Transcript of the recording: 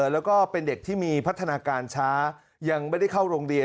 แล้วก็เป็นเด็กที่มีพัฒนาการช้ายังไม่ได้เข้าโรงเรียน